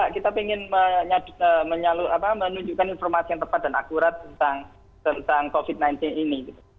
kita ingin menunjukkan informasi yang tepat dan akurat tentang covid sembilan belas ini